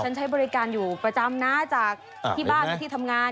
ใช้บริการอยู่ประจำนะจากที่บ้านที่ทำงาน